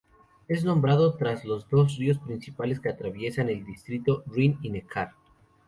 Es nombrado tras los dos ríos principales que atraviesan el distrito, Rin y Neckar.